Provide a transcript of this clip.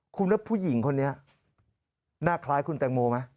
คุณแล้วผู้หญิงคนนี้หน้าคล้ายคุณแตงโมไหม